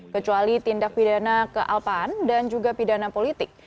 kecuali tindak pidana kealpaan dan juga pidana politik